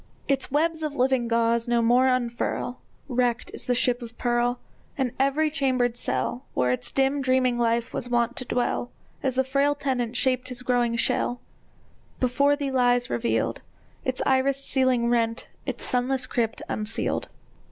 Its webs of living gauze no more unfurl; Wrecked is the ship of pearl! And every chambered cell, Where its dim dreaming life was wont to dwell, As the frail tenant shaped his growing shell, Before thee lies revealed, Its irised ceiling rent, its sunless crypt unsealed!